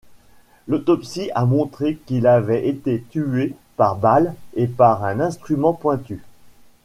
L'autopsie a montré qu'ils avaient été tués par balle et par un instrument pointu.